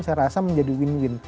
saya rasa menjadi win win